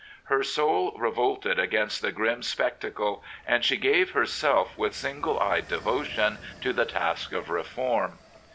Her soul revolted against the grim spectacle, and she gave herself with single eyed devotion to the task of reform.